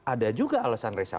ada juga alasan yang lainnya